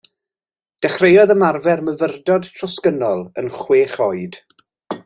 Dechreuodd ymarfer Myfyrdod Trosgynnol yn chwech oed.